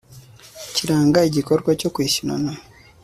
kiranga igikorwa cyo kwishyurana